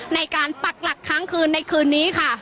ในการปรักหลักครั้งคืนในคืนนี้ค่ะ